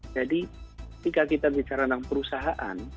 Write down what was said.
jadi jika kita bicara tentang perusahaan